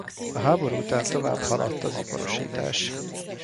A háború után tovább haladt az iparosítás.